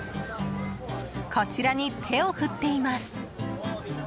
こちらに手を振っています。